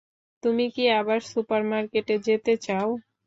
তুমি কি আবার সুপারমার্কেটে যেতে চাও?